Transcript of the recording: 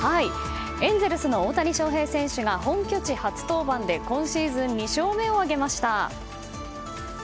エンゼルスの大谷翔平選手が本拠地初登板で今シーズン２勝目を挙げました。